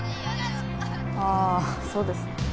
ああそうですね。